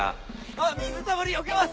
あっ水たまりよけます！